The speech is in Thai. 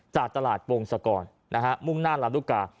จากตลาดวงศกรมุ่งหน้าลำลูกกา